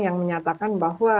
yang menyatakan bahwa